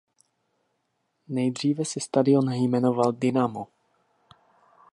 Nejdříve se stadion jmenoval „Dinamo“.